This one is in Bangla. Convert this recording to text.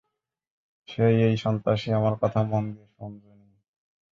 সেই এই সন্ত্রাসী আমার কথা মন দিয়ে শোন জুনি।